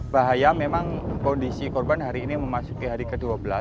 bahaya memang kondisi korban hari ini memasuki hari ke dua belas